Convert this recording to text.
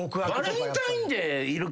バレンタインデーいるか。